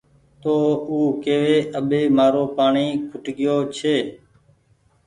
تو او ڪيوي اٻي مآرو پآڻيٚ کٽگيو ڇي